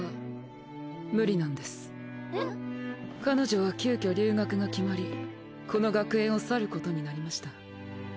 彼女は急きょ留学が決まりこの学園を去ることになりました。